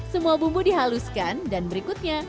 semua bumbu dihaluskan dan berikutnya